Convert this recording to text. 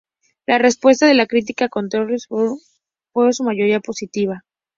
La respuesta de la critica con "Tales of Halloween" fue en su mayoría positiva.